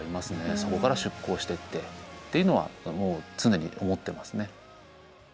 そこから出港していってっていうのは常に思ってますね。